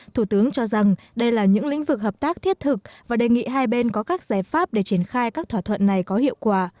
thủ tướng cho rằng đây là những lĩnh vực hợp tác thiết thực và đề nghị hai bên có các giải pháp để triển khai các thỏa thuận này có hiệu quả